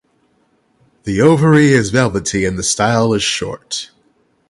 The ovary is velvety and the style is short.